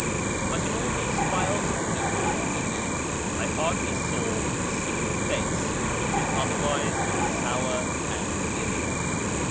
But in all these files of people whom we met I hardly saw a single face which was otherwise than sour and forbidding.